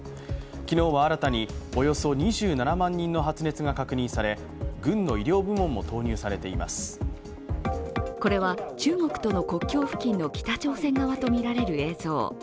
昨日は新たにおよそ２７万人の発熱が確認され、これは中国との国境付近の北朝鮮側とみられる映像。